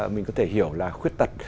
mình có thể hiểu là khuyết tật